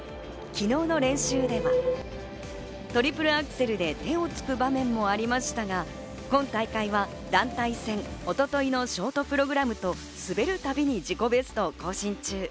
昨日の練習では、トリプルアクセルで手をつく場面もありましたが、今大会は団体戦、一昨日のショートプログラムと滑るたびに自己ベストを更新中。